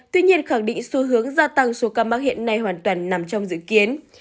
tuy nhiên khẳng định xu hướng gia tăng số ca mắc hiện nay hoàn toàn nằm trong dự kiến